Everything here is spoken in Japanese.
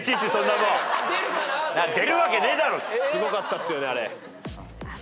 すごかったっすよねあれ。